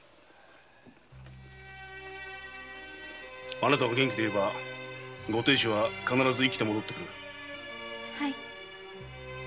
あなたが元気でいればご亭主は必ず生きて戻ってくる。